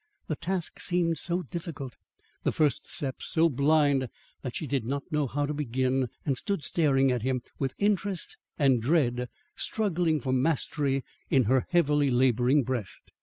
The task seemed so difficult, the first steps so blind, that she did not know how to begin and stood staring at him with interest and dread struggling for mastery in her heavily labouring breast.